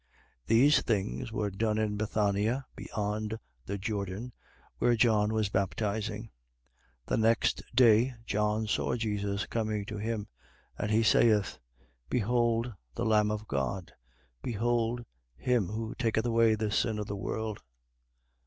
1:28. These things were done in Bethania, beyond the Jordan, where John was baptizing. 1:29. The next day, John saw Jesus coming to him; and he saith: Behold the Lamb of God. Behold him who taketh away the sin of the world.